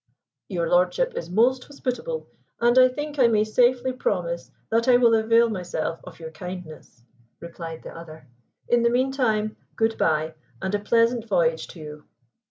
"Your lordship is most hospitable, and I think I may safely promise that I will avail myself of your kindness," replied the other. "In the meantime 'good bye,' and a pleasant voyage to you."